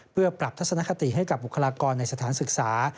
เพื่อปรับทัศนคติให้กับบุคลากรในสถานศึกษา